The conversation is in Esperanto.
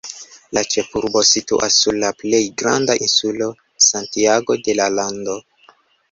La ĉefurbo situas sur la plej granda insulo Santiago de la lando.